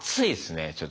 ちょっとね。